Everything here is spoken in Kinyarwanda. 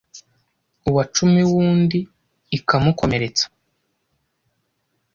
Uwa cumi wundi ikamukomeretsa,